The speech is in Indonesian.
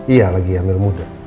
iya lagi hamil muda